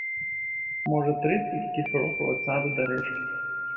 Можа, трыццаць якіх крокаў ад саду да рэчкі.